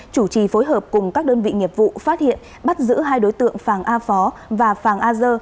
chủ trì phối hợp cùng các đơn vị nghiệp vụ phát hiện bắt giữ hai đối tượng phàng a phó và phàng a dơ